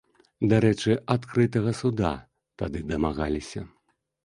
Дарэчы, адкрытага суда тады дамагліся.